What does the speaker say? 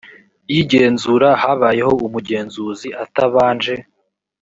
y igenzura yabayeho umugenzuzi atabanje